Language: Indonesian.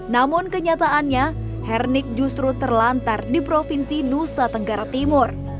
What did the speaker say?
namun kenyataannya hernik justru terlantar di provinsi nusa tenggara timur